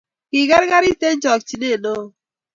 kiker kari eng' chokchine neoo